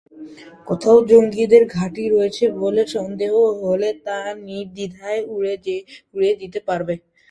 কোথাও জঙ্গিদের ঘাঁটি রয়েছে বলে সন্দেহ হলে, তা নির্দ্বিধায় উড়িয়ে দিতে পারবে।